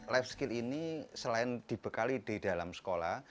life skill ini selain dibekali di dalam sekolah